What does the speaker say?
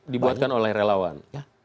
dibuatkan oleh relawan